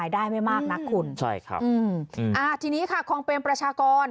ได้ไม่มากนักคุณใช่ครับอืมอ่าทีนี้ค่ะคลองเปรมประชากร